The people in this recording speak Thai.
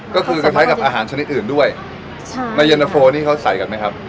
ก็คือเย็นเตอร์โฟนี่เขาใส่กันไหมครับ